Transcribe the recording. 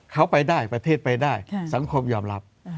เขาไปได้ประเทศไปได้สังคมยอมรับ